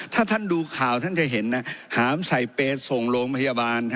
ถ้าท่านดูข่าวท่านจะเห็นนะหามใส่เปรย์ส่งโรงพยาบาล